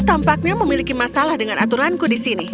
tampaknya memiliki masalah dengan aturanku di sini